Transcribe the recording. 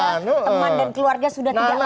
teman dan keluarga sudah tidak lagi bersama